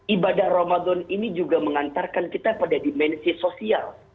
ibadah ramadan ini juga mengantarkan kita pada dimensi sosial